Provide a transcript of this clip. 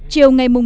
huyện đan phượng